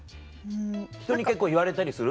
ひとに結構言われたりする？